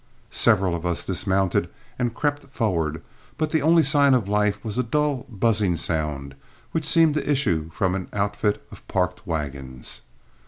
Several of us dismounted and crept forward, but the only sign of life was a dull, buzzing sound which seemed to issue from an outfit of parked wagons.